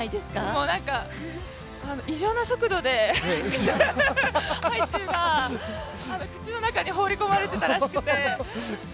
もう異常な速度でハイチュウが口の中に放り込まれてたらしくて。